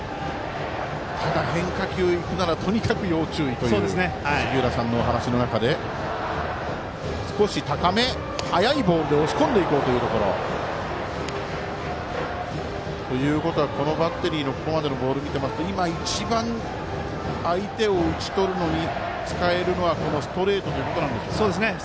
ただ、変化球いくならとにかく要注意という杉浦さんのお話。ということは、このバッテリーのここまでのボールを見てますと今一番、相手を打ち取るのに使えるのはストレートということなんでしょうか。